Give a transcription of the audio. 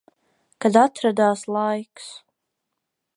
Kad atradās laiks.